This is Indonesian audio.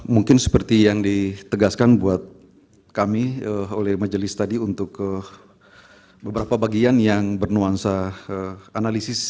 mungkin seperti yang ditegaskan buat kami oleh majelis tadi untuk beberapa bagian yang bernuansa analisis